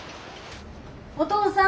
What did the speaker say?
お父さん。